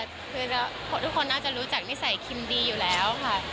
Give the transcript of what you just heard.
คือทุกคนน่าจะรู้จักนิสัยคิมดีอยู่แล้วค่ะ